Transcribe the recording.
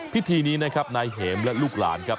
พิธีนี้นะครับนายเห็มและลูกหลานครับ